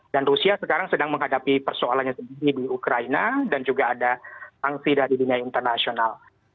dan rusia sekarang sedang menghadapi persoalannya sendiri di ukraina dan juga ada tangsi dari dunia internasional